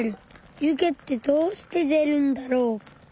湯気ってどうして出るんだろう。